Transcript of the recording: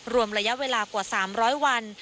รวมระยะเวลากว่า๓๐๐วัน